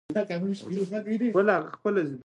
چې دلته ئې مونږ څو مثالونه وړاندې کوو-